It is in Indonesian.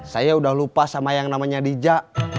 saya udah lupa sama yang namanya dija